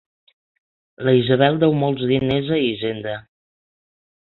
La Isabel deu molts diners a Hisenda.